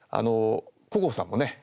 小郷さんもね